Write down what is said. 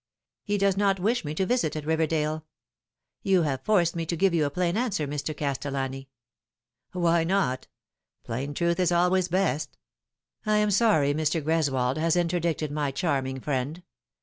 He does not wish me to visit at Biverdale. You have forced me to give you a plain answer, Mr. Castellani." " Why not ? Plain truth is always best. I am sorry Mr. Greswold has interdicted my charming friend.